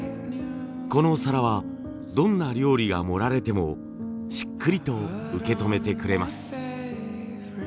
この皿はどんな料理が盛られてもしっくりと受け止めてくれます。